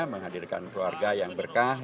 menghadirkan keluarga yang berkah